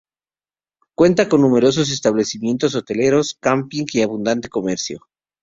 Cuenta con numerosos establecimientos hoteleros, camping y abundante comercio.